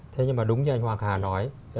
thế nhưng mà đúng như anh hoàng hà nói